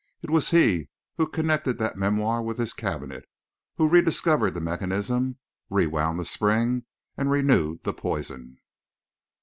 It was he who connected that memoir with this cabinet, who rediscovered the mechanism, rewound the spring, and renewed the poison.